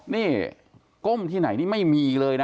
นี่ก้มที่ไหนนี่ไม่มีเลยนะ